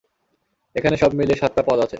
এখানে সব মিলিয়ে সাতটা পদ আছে!